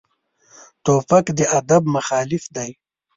توپک د ادب مخالف دی.